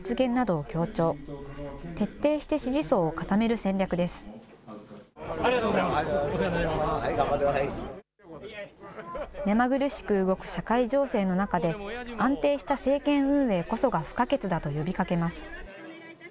めまぐるしく動く社会情勢の中で、安定した政権運営こそが不可欠だと呼びかけます。